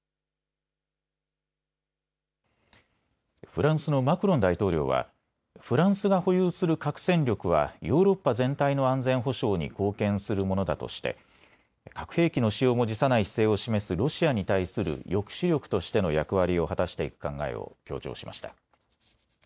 フランスのマクロン大統領はフランスが保有する核戦力はヨーロッパ全体の安全保障に貢献するものだとして核兵器の使用も辞さない姿勢を示すロシアに対する抑止力としての役割を果たしていく考えを強調しました。